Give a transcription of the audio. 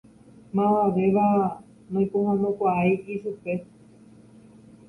Mavavéva noipohãnokuaái ichupe.